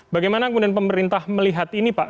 bagaimana kemudian pemerintah melihat ini pak